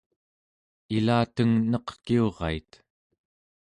ilateng neqkiurait